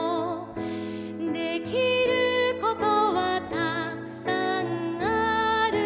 「できることはたくさんあるよ」